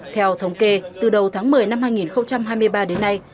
theo thống kê từ đầu tháng một mươi năm hai nghìn hai mươi ba đến nay